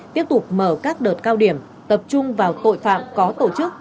tiếp tục mở các đợt cao điểm tập trung vào tội phạm có tổ chức